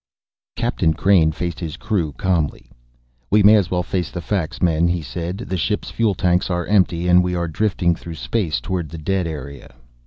Captain Crain faced his crew calmly. "We may as well face the facts, men," he said. "The ship's fuel tanks are empty and we are drifting through space toward the dead area."